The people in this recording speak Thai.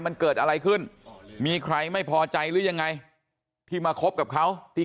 มันเกิดอะไรขึ้นมีใครไม่พอใจหรือยังไงที่มาคบกับเขาที่